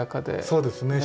そうですね